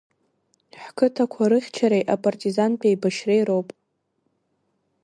Ҳқыҭақәа рыхьчареи апартизантә еибашьреи роуп.